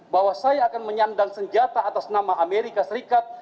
bahwa saya akan menyandang senjata atas nama amerika serikat